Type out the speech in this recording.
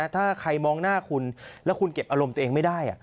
ถ้าใครมองหน้าคุณแล้วคุณเก็บอารมณ์ตัวเองไม่ได้